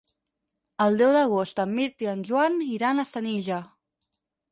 El deu d'agost en Mirt i en Joan iran a Senija.